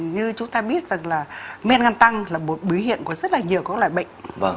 như chúng ta biết rằng là men gan tăng là một bí hiện của rất là nhiều loại bệnh